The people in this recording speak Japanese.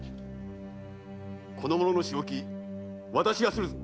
この者の仕置き私がするぞ！